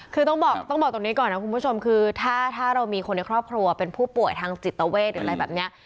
คือต้องบอกต้องบอกตรงนี้ก่อนนะคุณผู้ชมคือถ้าเรามีคนในครอบครัวเป็นผู้ป่วยทางจิตเวทหรืออะไรแบบนี้